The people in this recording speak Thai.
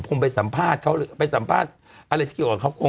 คงไปสัมภาษณ์เขาหรือไปสัมภาษณ์อะไรที่เกี่ยวกับเขาคง